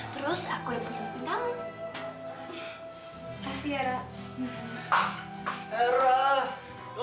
terus aku bisa nyelamatin kamu